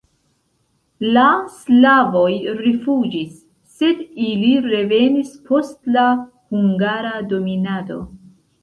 La slavoj rifuĝis, sed ili revenis post la hungara dominado.